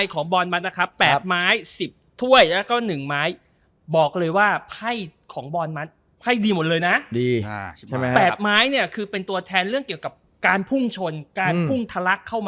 กลัวเอื้อมไปฝั่งนั้นไมค์เมย์ล้ม